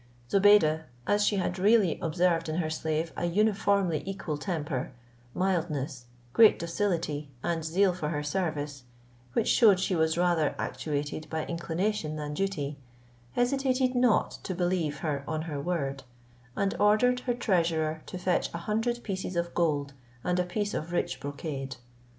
Zobeide, as she had really observed in her slave a uniformly equal temper, mildness, great docility and zeal for her service, which shewed she was rather actuated by inclination than duty, hesitated not to believe her on her word, and ordered her treasurer to fetch a hundred pieces of gold and a piece of rich brocade.